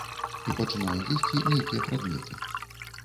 І пачынае есці нейкія прадметы.